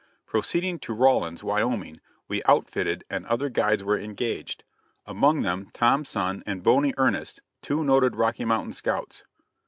Proceeding to Rawlins, Wyoming, we "outfitted," and other guides were engaged among them Tom Sun and Bony Ernest, two noted Rocky Mountain scouts.